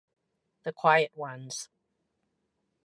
The Quiet Ones